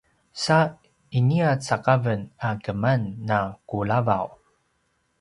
sa inia cakaven a keman na kulavaw